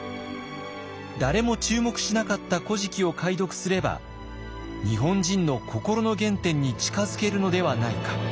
誰も注目しなかった「古事記」を解読すれば日本人の心の原点に近づけるのではないか。